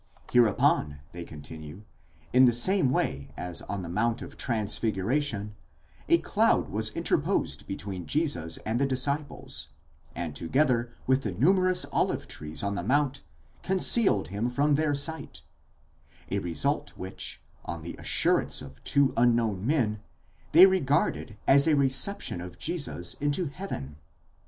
Hereupon, they continue, in the same way as on the mount of Transfiguration, a cloud was interposed between Jesus and the disciples, and together with the numerous olive trees on the mount, concealed him from their sight ; a result which, on the assurance of two unknown men, they regarded as a reception of Jesus into heaven.